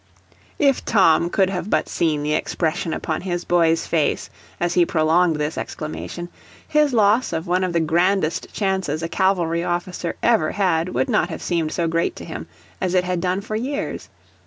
If Tom could have but seen the expression upon his boy's face as he prolonged this exclamation, his loss of one of the grandest chances a cavalry officer ever had would not have seemed so great to him as it had done for years.